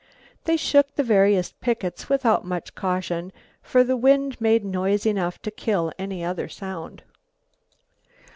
They shook the various pickets without much caution, for the wind made noise enough to kill any other sound.